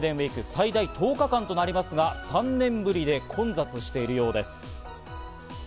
最大１０日間となりますが、３年ぶりで混雑しているようです。